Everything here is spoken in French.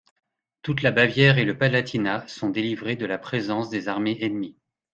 Toute la Bavière et le Palatinat sont délivrés de la présence des armées ennemies.